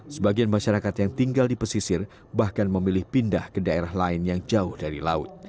sebagian masyarakat yang tinggal di pesisir bahkan memilih pindah ke daerah lain yang jauh dari laut